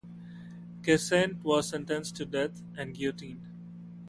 Kersaint was sentenced to death, and guillotined.